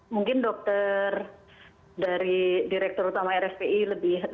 mungkin dokter dari direktur utama rspi lebih